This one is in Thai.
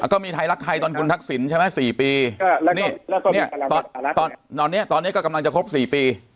ก็มีไทยรักไทยตอนคุณทักษิณใช่ไหม๔ปีตอนนี้ตอนนี้ก็กำลังจะครบ๔ปี